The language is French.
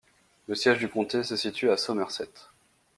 Le siège du comté se situe à Somerset.